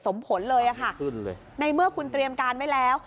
สมผลเลยค่ะในเมื่อคุณเตรียมการไว้แล้ว